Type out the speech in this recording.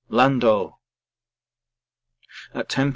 Land oh! At 10 P.